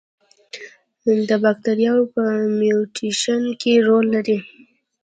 د باکتریاوو په میوټیشن کې رول لري.